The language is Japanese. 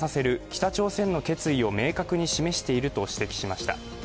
北朝鮮の決意を明確に示していると指摘しました。